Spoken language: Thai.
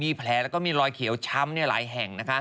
มีแผลแล้วก็มีรอยเขียวช้ำหลายแห่ง